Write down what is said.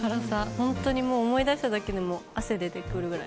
本当にもう、思い出しただけでも汗が出てくるくらい。